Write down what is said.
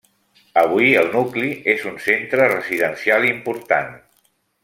Avui, el nucli és un centre residencial important.